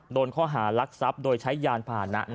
โดนข้อหารักษัพโดยใช้ยานผ่านนะ